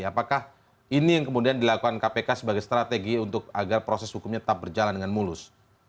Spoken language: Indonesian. apakah ini yang kemudian dilakukan kpk sebagai strategi untuk agar proses hukumnya tetap berjalan dengan mulus